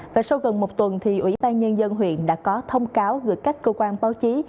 và sau gần một tuần thì ủy ban nhân dân huyện đã có thông cáo gửi các cơ quan báo chí